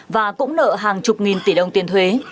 và cũng nợ hàng chục nghìn tỷ đồng tỷ đồng